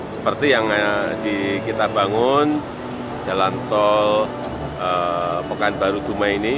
seperti yang kita bangun jalan tol pekanbaru dumai ini